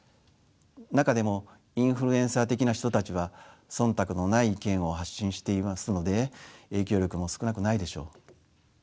中でもインフルエンサー的な人たちは忖度のない意見を発信していますので影響力も少なくないでしょう。